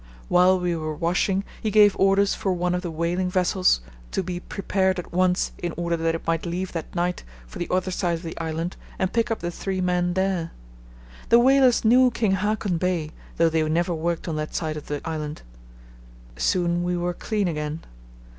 While we were washing he gave orders for one of the whaling vessels to be prepared at once in order that it might leave that night for the other side of the island and pick up the three men there. The whalers knew King Haakon Bay, though they never worked on that side of the island. Soon we were clean again.